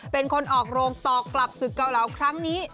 เป็นคนออกโรงต่อกลับศึกเกาเหลาครั้งนี้